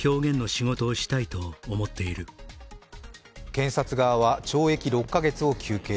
検察側は懲役６か月を求刑。